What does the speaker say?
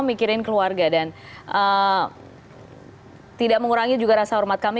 mereka juga memikirkan keluarga dan tidak mengurangi juga rasa hormat kami